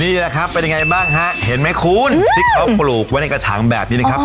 นี่แหละครับเป็นยังไงบ้างฮะเห็นไหมคุณที่เขาปลูกไว้ในกระถางแบบนี้นะครับ